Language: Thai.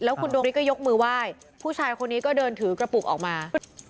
คุณดวงฤทก็ยกมือไหว้ผู้ชายคนนี้ก็เดินถือกระปุกออกมา